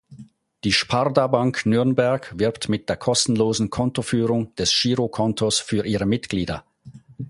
Die Sparda-Bank Nürnberg wirbt mit der kostenlosen Kontoführung des Girokontos für ihre Mitglieder.